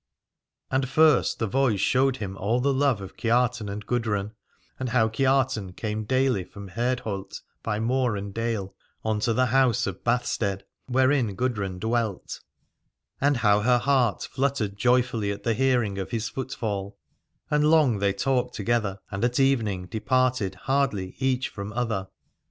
And first the voice showed him all the love of Kiartan and Gudrun, and how Kiartan came daily from Herdholt by moor and dale unto the house of Bathstead, wherein Gudrun dwelt : and how her heart fluttered joyfully at hearing of his footfall : and long they talked together, and at evening departed hardly each from other.